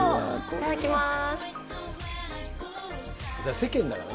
いただきます。